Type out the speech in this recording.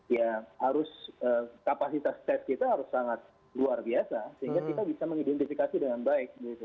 ya harus kapasitas tes kita harus sangat luar biasa sehingga kita bisa mengidentifikasi dengan baik